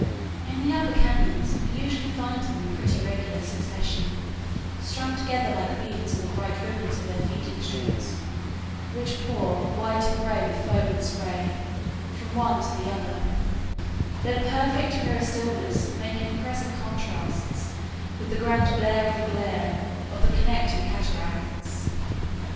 In the upper cañons we usually find them in pretty regular succession, strung together like beads on the bright ribbons of their feeding streams, which pour, white and gray with foam and spray, from one to the other, their perfect mirror stillness making impressive contrasts with the grand blare and glare of the connecting cataracts.